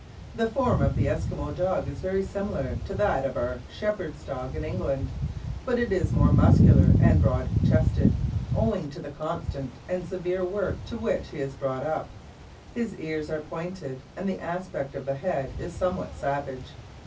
The form of the Esquimaux dog is very similar to that of our shepherds' dog in England, but it is more muscular and broad chested, owing to the constant and severe work to which he is brought up. His ears are pointed, and the aspect of the head is somewhat savage.